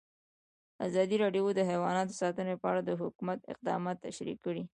ازادي راډیو د حیوان ساتنه په اړه د حکومت اقدامات تشریح کړي.